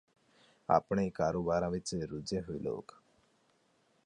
ਆਪਣੇ ਕਾਰੋਬਾਰਾਂ ਵਿਚ ਰੁੱਝੇ ਹੋਏ ਲੋਕ